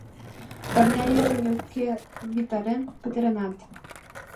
Парня йыжыҥ йотке витарен пытаренат.